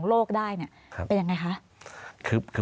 สวัสดีครับทุกคน